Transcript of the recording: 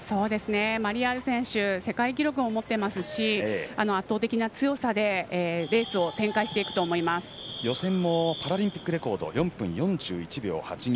マリヤール選手は世界記録も持っていますし圧倒的な強さで予選パラリンピックレコード４分４１秒８２。